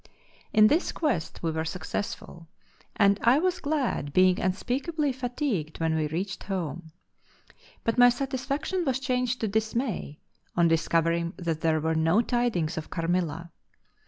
In this quest we were successful: and I was glad, being unspeakably fatigued when we reached home. But my satisfaction was changed to dismay, on discovering that there were no tidings of Carmilla.